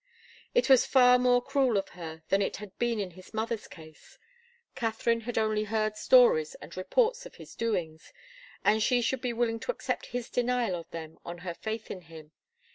It was far more cruel of her than it had been in his mother's case. Katharine had only heard stories and reports of his doings, and she should be willing to accept his denial of them on her faith in him.